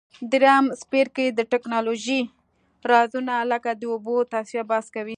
دریم څپرکی د تکنالوژۍ رازونه لکه د اوبو تصفیه بحث کوي.